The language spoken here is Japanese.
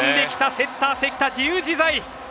セッター関田、自由自在。